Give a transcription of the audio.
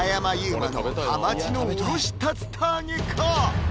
馬のハマチのおろし竜田揚げか？